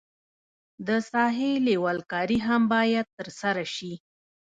د ساحې لیول کاري هم باید ترسره شي